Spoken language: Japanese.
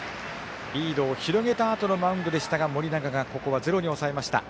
リードを広げたあとのマウンドでしたがここはゼロに抑えました。